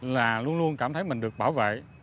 là luôn luôn cảm thấy mình được bảo vệ